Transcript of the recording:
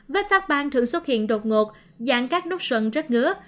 vết phát ban thường xuất hiện đột ngột dạng các đốt sần rất ngứa